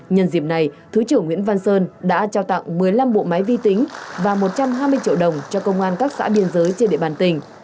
nhân dịp này thứ trưởng nguyễn văn sơn đã trao tặng một mươi năm bộ máy vi tính và một trăm hai mươi triệu đồng cho công an các xã biên giới trên địa bàn tỉnh